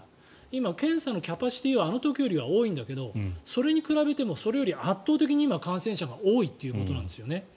今、検査のキャパシティーはあの時よりは多いんだけどそれに比べても圧倒的に今は感染者が多いということなんですね。